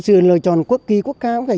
sự lựa chọn quốc kỳ quốc ca